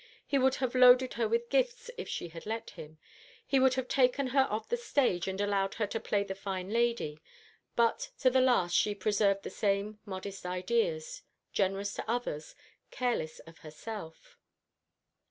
He would have loaded her with gifts if she had let him, he would have taken her off the stage and allowed her to play the fine lady; but to the last she preserved the same modest ideas generous to others, careless of herself."